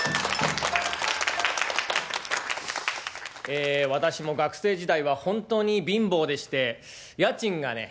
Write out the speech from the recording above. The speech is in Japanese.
え私も学生時代は本当に貧乏でして家賃がね